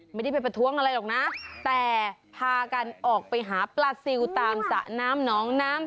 ไม่ได้ไปประท้วงอะไรหรอกนะแต่พากันออกไปหาปลาซิลตามสระน้ำหนองน้ำ